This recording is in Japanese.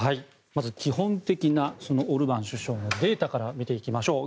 まず基本的なオルバン首相のデータから見ていきましょう。